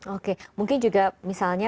oke mungkin juga misalnya